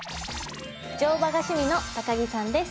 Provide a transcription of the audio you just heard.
乗馬が趣味の高木さんです。